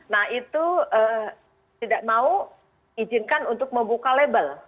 nah itu tidak mau izinkan untuk membuka label